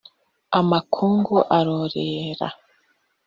amakungu arorera